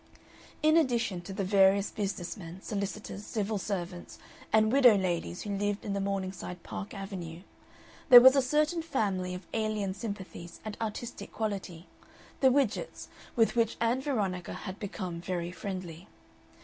In addition to the various business men, solicitors, civil servants, and widow ladies who lived in the Morningside Park Avenue, there was a certain family of alien sympathies and artistic quality, the Widgetts, with which Ann Veronica had become very friendly.